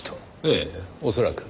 ええ恐らく。